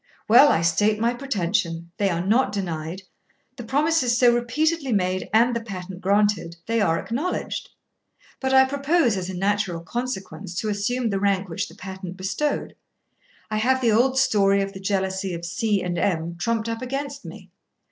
Well, I state my pretension they are not denied; the promises so repeatedly made and the patent granted they are acknowledged. But I propose, as a natural consequence, to assume the rank which the patent bestowed. I have the old story of the jealousy of C and M trumped up against me.